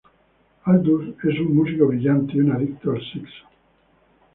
Aldous es un músico brillante y un adicto al sexo.